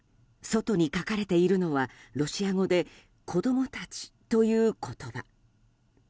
外に書かれているのはロシア語で「子供たち」という言葉。